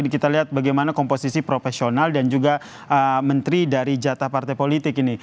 kita lihat bagaimana komposisi profesional dan juga menteri dari jatah partai politik ini